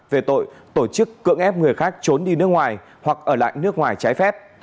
về tội tổ chức cưỡng ép người khác trốn đi nước ngoài hoặc ở lại nước ngoài trái phép